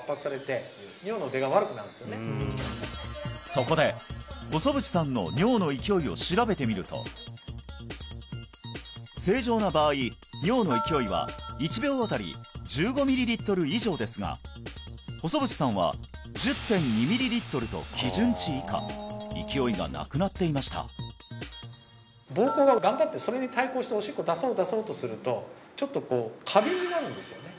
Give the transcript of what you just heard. そこで細渕さんの尿の勢いを調べてみると正常な場合尿の勢いは１秒あたり１５ミリリットル以上ですが細渕さんは１０．２ミリリットルと基準値以下勢いがなくなっていました膀胱が頑張ってそれに対抗しておしっこ出そう出そうとするとちょっと過敏になるんですよね